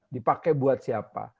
dipakai buat siapa